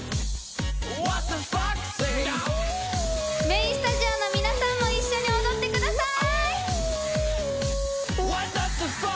メーンスタジオの皆さんも一緒に踊ってください。